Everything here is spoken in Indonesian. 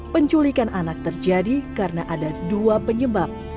penculikan anak terjadi karena ada dua penyebab